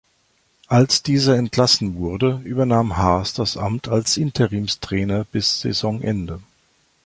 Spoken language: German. Als dieser entlassen wurde, übernahm Haas das Amt als Interimstrainer bis Saisonende.